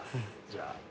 じゃあ。